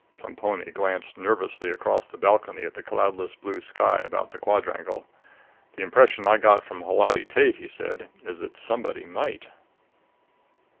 Plemponi glanced nervously across the balcony at the cloudless blue sky about the quadrangle. "The impression I got from Holati Tate," he said, "is that somebody might."